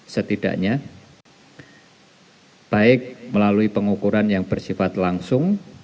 setidaknya baik melalui pengukuran yang bersifat langsung